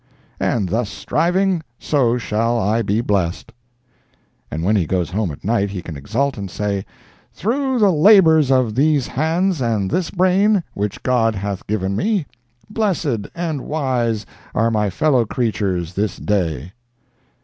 And thus striving, so shall I be blessed!" And when he goes home at night, he can exult and say: "Through the labors of these hands and this brain, which God hath given me, blessed and wise are my fellow creatures this day!